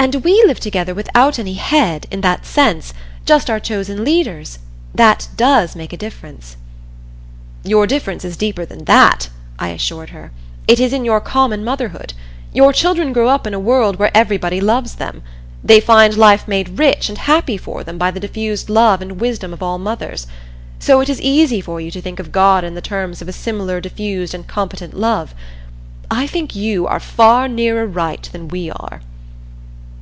"And we live together without any 'head,' in that sense just our chosen leaders that does make a difference." "Your difference is deeper than that," I assured her. "It is in your common motherhood. Your children grow up in a world where everybody loves them. They find life made rich and happy for them by the diffused love and wisdom of all mothers. So it is easy for you to think of God in the terms of a similar diffused and competent love. I think you are far nearer right than we are."